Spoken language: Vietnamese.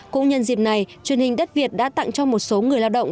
cũng nhân dịp này truyền hình đất việt đã tặng cho một số người lao động